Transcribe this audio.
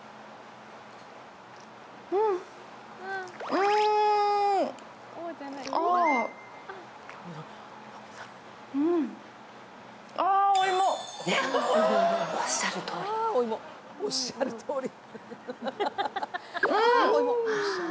おっしゃるとおり。